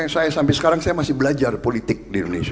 jadi mungkin sampai sekarang saya masih belajar politik di indonesia